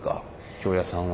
京谷さんは。